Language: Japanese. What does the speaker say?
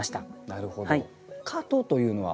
なるほど。